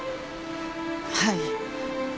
はい。